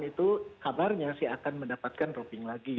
itu kabarnya sih akan mendapatkan dropping lagi